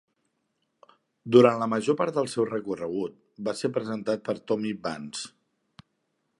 Durant la major part del seu recorregut, va ser presentat per Tommy Vance.